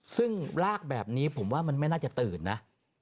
ซึ่งลากแบบนี้ผมว่ามันไม่น่าจะตื่นนะ